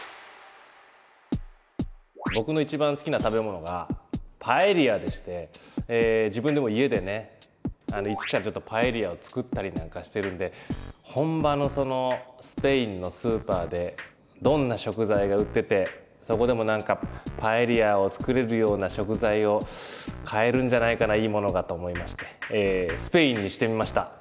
僕の一番好きな食べ物がパエリヤでして自分でも家でね一からちょっとパエリヤを作ったりなんかしてるんで本場のスペインのスーパーでどんな食材が売っててそこでも何かパエリヤを作れるような食材を買えるんじゃないかないいものがと思いましてスペインにしてみました。